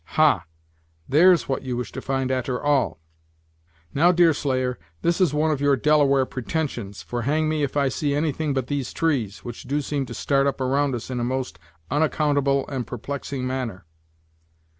Ha! there's what you wish to find, a'ter all!" "Now, Deerslayer, this is one of your Delaware pretensions, for hang me if I see anything but these trees, which do seem to start up around us in a most onaccountable and perplexing manner."